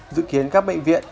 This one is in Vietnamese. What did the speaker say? dự kiến các bệnh viện